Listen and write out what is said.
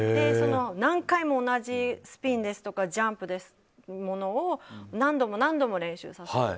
何回も同じスピンですとかジャンプというものを何度も何度も練習させる。